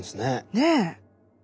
ねえ。